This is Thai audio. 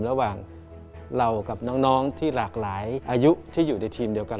ระหว่างเรากับน้องที่หลากหลายอายุที่อยู่ในทีมเดียวกัน